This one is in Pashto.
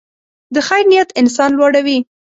د خیر نیت انسان لوړوي.